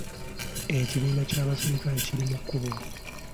Ekibinja ky'abasirikale kiri mu kkubo.